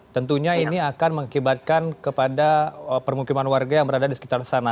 tentunya ini akan mengakibatkan kepada permukiman warga yang berada di sekitar sana